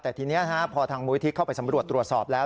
แต่ทีนี้พอทางมูลิธิเข้าไปสำรวจตรวจสอบแล้ว